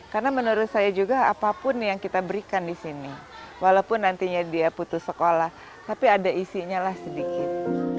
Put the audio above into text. karena menurut saya juga apapun yang kita berikan di sini walaupun nantinya dia putus sekolah tapi ada isinya sedikit